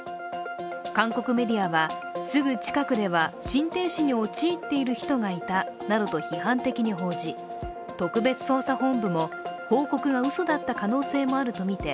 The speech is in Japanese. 韓国メディアはすぐ近くでは心停止に陥っている人がいたなどと批判的に報じ特別捜査本部も報告がうそだった可能性もあるとみて